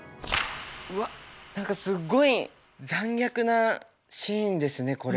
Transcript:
うわっ何かすごい残虐なシーンですねこれ。